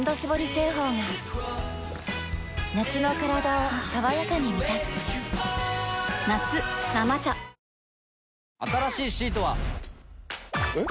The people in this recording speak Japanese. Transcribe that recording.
製法が夏のカラダを爽やかに満たす夏「生茶」新しいシートは。えっ？